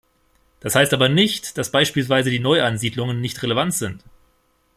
Das heißt aber nicht, dass beispielsweise die Neuansiedlungen nicht relevant sind.